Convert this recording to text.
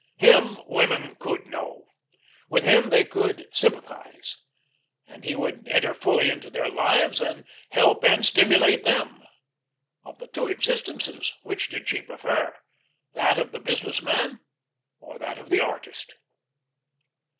Him women could know, with him they could sympathise. And he could enter fully into their lives and help and stimulate them. Of the two existences which did she prefer, that of the business man, or that of the artist?